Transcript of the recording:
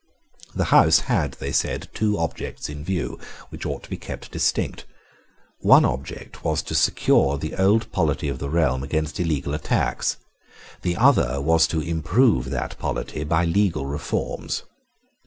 The House had, they said, two objects in view, which ought to be kept distinct. One object was to secure the old polity of the realm against illegal attacks: the other was to improve that polity by legal reforms.